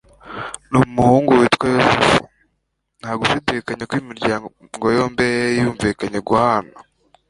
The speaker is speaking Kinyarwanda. n'umuhungu witwa yozefu. ntagushidikanya ko imiryango yombi yari yarumvikanye guhana